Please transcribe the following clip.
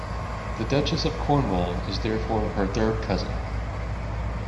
The Duchess of Cornwall is therefore her third cousin.